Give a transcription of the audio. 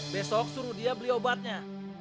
besok suruh dia beli obatnya